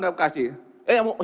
tiga menit aja kamu kasih